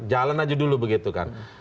jalan aja dulu begitu kan